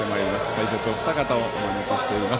解説、お二方をお招きしています。